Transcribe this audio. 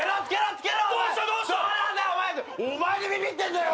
お前にビビってんだよ！